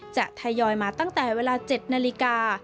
ทยอยมาตั้งแต่เวลา๗นาฬิกา